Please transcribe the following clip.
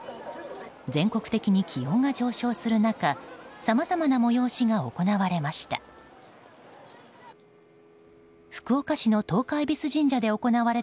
全国的に気温が上昇する中さまざまな催しが行われました。